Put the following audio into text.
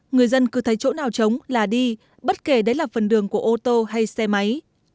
người dân cứ thấy chỗ nào trống là đi bất kể đấy là phần đường của ô tô hay xe máy